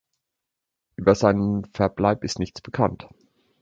Über seinen Verbleib ist nichts bekannt.